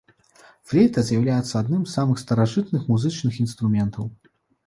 Флейта з'яўляецца адным з самых старажытных музычных інструментаў.